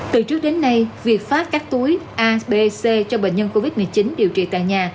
từ trước đến nay việc phát các túi a b c cho bệnh nhân covid một mươi chín điều trị tại nhà